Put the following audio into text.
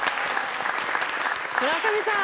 村上さん